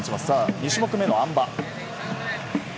２種目めのあん馬。